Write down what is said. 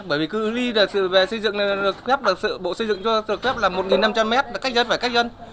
bởi vì cự ly là sự xây dựng được phép là một năm trăm linh m cách dân phải cách dân